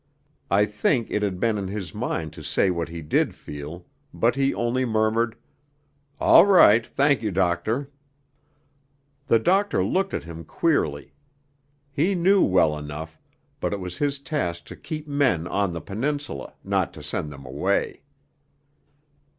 I think it had been in his mind to say what he did feel, but he only murmured, 'All right, thank you, doctor.' The doctor looked at him queerly. He knew well enough, but it was his task to keep men on the Peninsula, not to send them away.